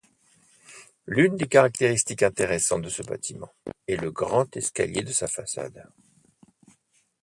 L'une des caractéristiques intéressantes de ce bâtiment est le grand escalier de sa façade.